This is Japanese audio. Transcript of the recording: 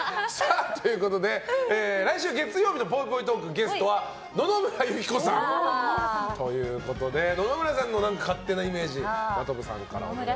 来週月曜日のぽいぽいトークゲストは野々村友紀子さんということで野々村さんの勝手なイメージ真飛さんからお願いします。